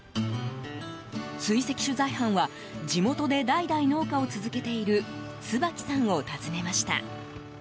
追跡取材班は地元で代々農家を続けている椿さんを訪ねました。